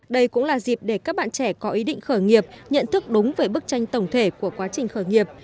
đây cũng là dịp để các bạn trẻ có ý định khởi nghiệp nhận thức đúng về bức tranh tổng thể của quá trình khởi nghiệp